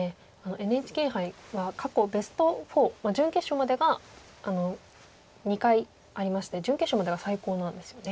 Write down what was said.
ＮＨＫ杯は過去ベスト４準決勝までが２回ありまして準決勝までが最高なんですよね。